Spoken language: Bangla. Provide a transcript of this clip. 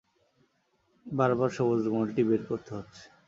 বারবার সবুজ রুমালটি বের করতে হচ্ছে।